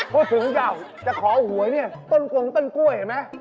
พูดถึงคุณก่อนจะขอห่วยต้นกล่องต้นกล้วยเห็นไหม